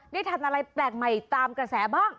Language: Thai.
ได้ทานอะไรแปลกใหม่ตามกระแสบ้าง